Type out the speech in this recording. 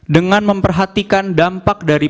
dengan memperhatikan dampak dari